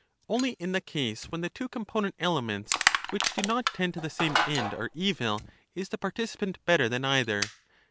Only in the case when the two component elements which do not tend to the same end are evil is the participant better than either.